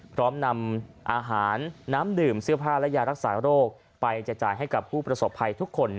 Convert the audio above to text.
พร้อมนำอาหารน้ำดื่มเสื้อผ้าและยารักษาโรคไปจะจ่ายให้กับผู้ประสบภัยทุกคน